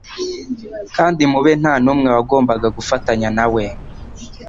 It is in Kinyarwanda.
kandi mu be nta n'umwe wagombaga gufatanya na we.